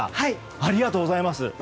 ありがとうございます。